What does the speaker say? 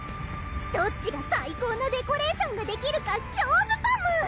どっちが最高のデコレーションができるか勝負パム！